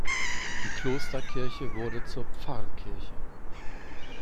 Die Klosterkirche wurde zur Pfarrkirche.